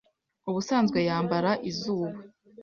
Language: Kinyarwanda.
Ubusanzwe yambara izuba?